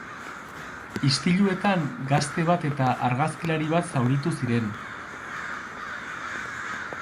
Istiluetan gazte bat eta argazkilari bat zauritu ziren.